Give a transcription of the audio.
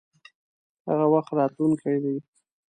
هغه وخت راتلونکی دی.